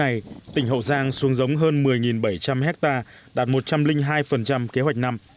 này tỉnh hậu giang xuống giống hơn một mươi bảy trăm linh hectare đạt một trăm linh hai kế hoạch năm